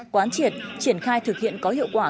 quán triệt triển khai thực hiện có hiệu quả